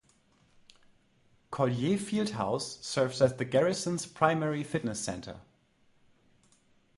Collier Field House serves as the garrison's primary fitness center.